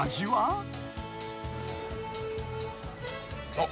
あっ。